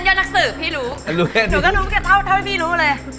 คนอยากนักสืบพี่รู้